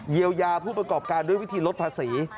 ยาผู้ประกอบการด้วยวิธีลดภาษี